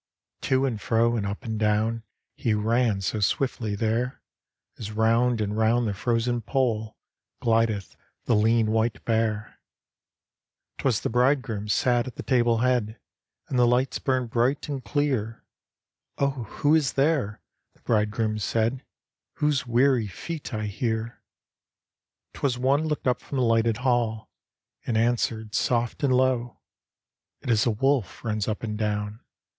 To and fro, and up and down, He ran so swiftly there, As round and round the frozen Pole GUdcth the lean white bear, Twas the Bridegroom sat at the table head. And the lights burned bright and clear— " Oh, who is there? " the Bridegroom said, "Whose weary feet I hear?" 'Twas one looked up from the lifted hall. And answered soft and low, " It is a wolf runs up and down.